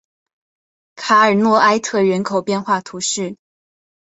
卡尔诺埃特人口变化图示